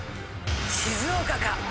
静岡か。